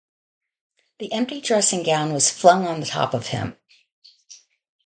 The empty dressing-gown was flung on the top of him.